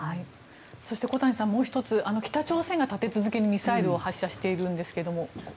そして小谷さん、もう１つ北朝鮮が立て続けにミサイルを発射しているんですけれども。